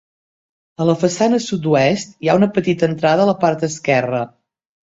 A la façana sud-oest, hi ha una petita entrada a la part esquerra.